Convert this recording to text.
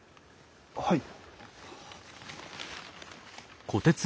はい。